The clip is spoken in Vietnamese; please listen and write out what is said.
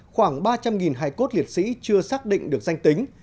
khoảng ba trăm linh hải cốt liệt sĩ chưa xác định được danh tính